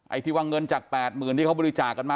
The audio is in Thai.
ไอ้พี่ว่าเงินจาก๘หมื่นที่เขาบริจาคกันมา